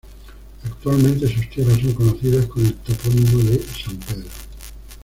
Actualmente sus tierras son conocidas con el topónimo de "San Pedro".